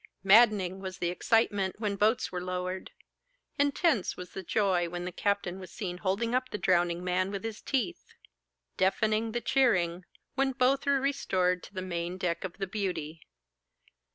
Maddening was the excitement when boats were lowered; intense the joy when the captain was seen holding up the drowning man with his teeth; deafening the cheering when both were restored to the main deck of 'The Beauty.